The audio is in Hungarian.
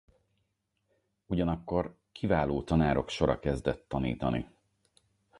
Ugyanakkor kiváló tanárok sora kezdett tanítani.